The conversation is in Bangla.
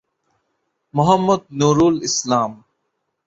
মুহম্মদ নূরুল ইসলাম।